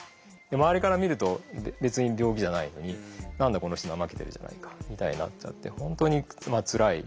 周りから見ると別に病気じゃないのに何でこの人怠けてるじゃないかみたいになっちゃって本当につらい症状なんじゃないかなと思ってます。